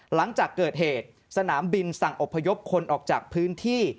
หลังจากเกิดเหตุสนามบินสั่งอบพยพคนออกจากพื้นที่